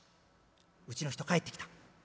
うちの人帰ってきた。